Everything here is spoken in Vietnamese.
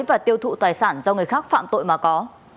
và tiêu thụ tài sản do người khác phạm tội mà có